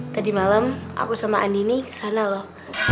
tadi malam aku sama andi ini kesana loh